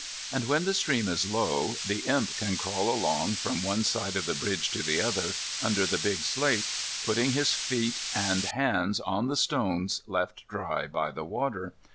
And, when the stream is low, the Imp can crawl along, from one side of the bridge to the other, under the big slate, putting his feet and hands on the stones left dry by the water.